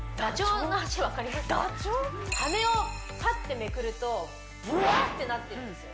羽をパッてめくるとブワッてなってるんですよ